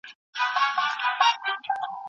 بیا به کونډه اجاڼۍ چیرته چغیږي